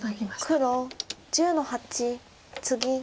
黒１０の八ツギ。